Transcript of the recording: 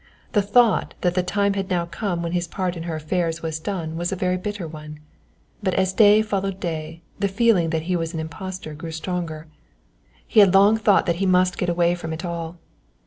The thought that the time had now come when his part in her affairs was done was a very bitter one, but as day followed day the feeling that he was an impostor grew stronger. He had long thought that he must get away from it all.